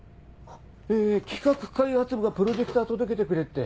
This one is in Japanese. え企画開発部がプロジェクター届けてくれって。